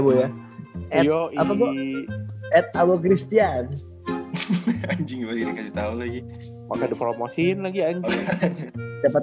gue ya ya apa gue at our christian anjing kasih tahu lagi maka dipromosikan lagi anjing dapat